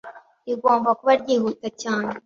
rigomba kuba ryihuta cyane